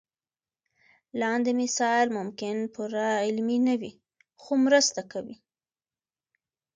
لاندې مثال ممکن پوره علمي نه وي خو مرسته کوي.